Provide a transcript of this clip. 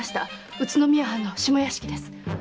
宇都宮藩の下屋敷です。